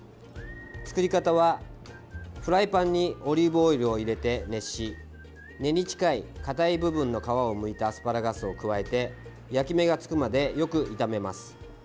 作り方は、フライパンにオリーブオイルを入れて熱し根に近い硬い部分の皮をむいたアスパラガスを加えて焼き目が付くまでよく炒めます。